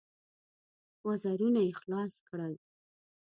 وزرونه يې خلاص کړل.